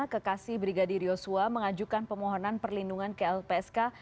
kekasih brigadi rioswa mengajukan pemohonan perlindungan ke lpsk